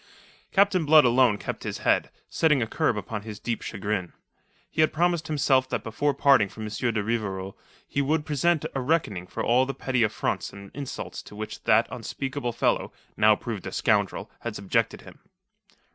Captain Blood alone kept his head, setting a curb upon his deep chagrin. He had promised himself that before parting from M. de Rivarol he would present a reckoning for all the petty affronts and insults to which that unspeakable fellow now proved a scoundrel had subjected him.